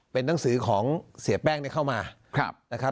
๒๒เป็นหนังสือของเสียแป้งเข้ามา